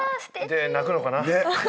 で泣くのかな。